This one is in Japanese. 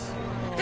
え？